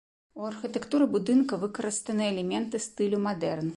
У архітэктуры будынка выкарыстаны элементы стылю мадэрн.